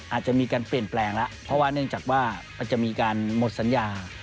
อาจจะมีการเปลี่ยนแปลงแล้วเพราะว่าเนื่องจากว่ามันจะมีการหมดสัญญา